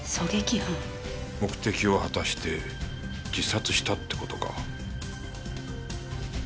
目的を果たして自殺したってことか。